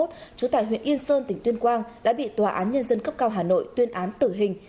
trú tại huyện yên sơn tỉnh tuyên quang đã bị tòa án nhân dân cấp cao hà nội tuyên án tử hình